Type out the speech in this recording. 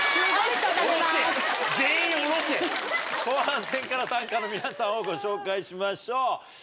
後半戦から参加の皆さんをご紹介しましょう。